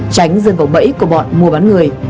tránh dân vọng bẫy của bọn mua bán người